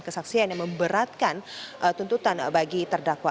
kesaksian yang memberatkan tuntutan bagi terdakwa